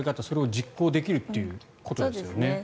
それを実行できるということですよね。